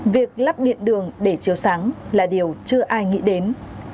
việc lắp điện đường để chiếu sáng là điều chưa ai nghĩ đến